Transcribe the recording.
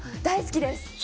大好きです。